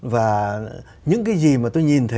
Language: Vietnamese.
và những cái gì mà tôi nhìn thấy